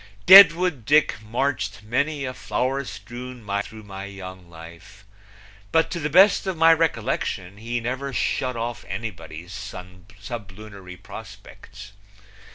Deadwood Dick marched many a flower strewn mile through my young life, but to the best of my recollection he never shut off anybody's sublunary prospects.